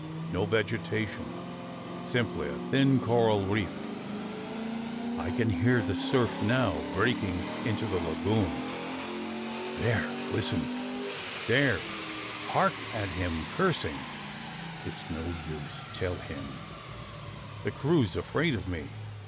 No vegetation, simply a thin coral reef. I can hear the surf now breaking into the lagoon. There, listen! There, hark at him cursing! It's no THE DEAD MAN'S THROTTLE 293 use, tell him. The crew's afraid of me.